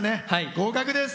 合格です。